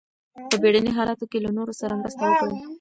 په بیړني حالاتو کې له نورو سره مرسته وکړئ.